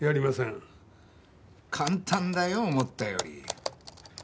簡単だよ思ったより。